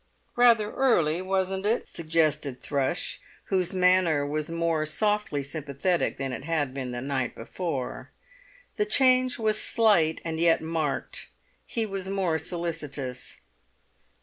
"Rather early, wasn't it?" suggested Thrush, whose manner was more softly sympathetic than it had been the night before. The change was slight, and yet marked. He was more solicitous.